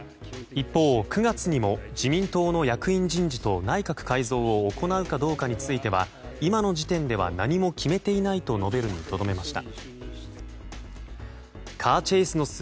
一方、９月にも自民党の役員人事と内閣改造を行うかどうかについては今の時点では何も決めていないと述べるにとどめました。